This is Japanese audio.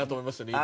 今。